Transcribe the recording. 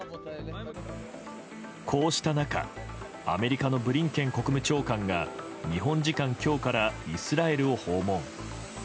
こうした中、アメリカのブリンケン国務長官が日本時間今日からイスラエルを訪問。